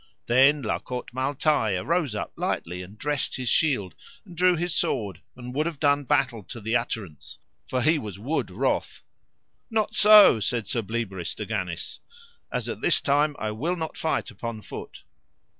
Then La Cote Male Taile arose up lightly, and dressed his shield, and drew his sword, and would have done battle to the utterance, for he was wood wroth. Not so, said Sir Bleoberis de Ganis, as at this time I will not fight upon foot.